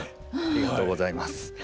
ありがとうございます。